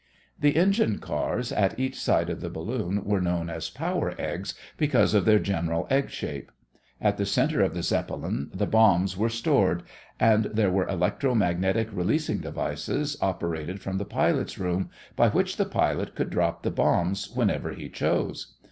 The engine cars at each side of the balloon were known as power eggs because of their general egg shape. At the center of the Zeppelin the bombs were stored, and there were electro magnetic releasing devices operated from the pilot's room by which the pilot could drop the bombs whenever he chose.